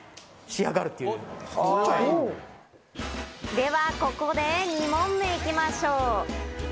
では、ここで２問目、行きましょう！